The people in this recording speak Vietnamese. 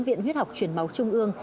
viện huyết học chuyển máu trung ương